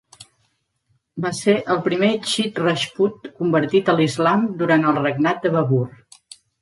Va ser el primer Chib Rajput convertit a l'Islam durant el regnat de Babur.